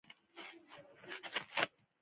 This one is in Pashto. لرګی د دروازې جوړولو لپاره کارېږي.